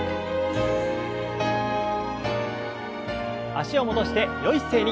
脚を戻してよい姿勢に。